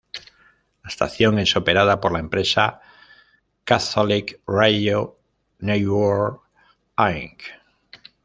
La estación es operada por la empresa Catholic Radio Network, Inc.